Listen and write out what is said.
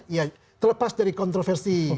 ya terlepas dari kontroversi